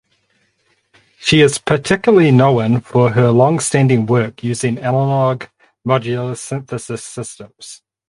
She is particularly known for her longstanding work using analog modular synthesis systems.